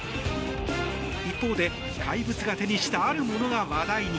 一方で怪物が手にしたある物が話題に。